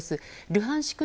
ルハンシク